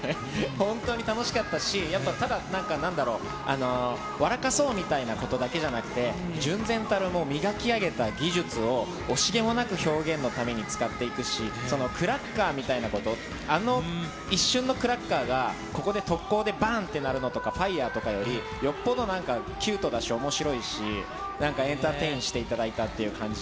本当に楽しかったし、やっぱ、ただ、なんか、なんだろう、笑かそうみたいなことだけじゃなくて、純然たる磨き上げた技術を惜しげもなく、表現のために使っていくし、クラッカーみたいなこと、あの一瞬のクラッカーが、ここでとっこうで、ばんってなるのとか、ファイヤーとかより、よっぽどなんかキュートだし、おもしろいし、なんかエンタテインメントテインしていただいたっていう感じ。